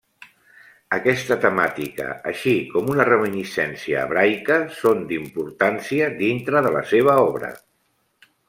Aquesta temàtica així com una reminiscència hebraica són d'importància dintre de la seva obra.